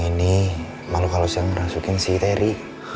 ini makhluk halus yang merasukin si terry